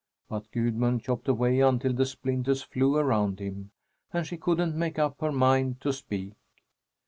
But Gudmund chopped away until the splinters flew around him, and she couldn't make up her mind to speak.